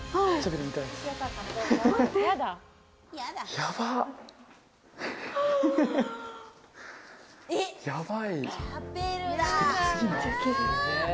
やばい！